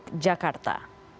di teluk jakarta